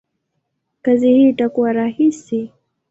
kazi hii itakuwa rahisi?